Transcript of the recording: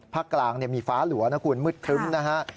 ภาคกลางมีฟ้าหลวะควรมึดขึ้มนะครับ